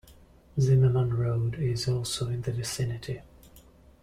Zimmerman Road is also in the vicinity.